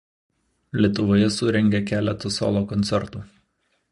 Lietuvoje surengė keletą solo koncertų.